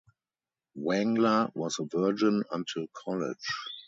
Wangler was a virgin until college.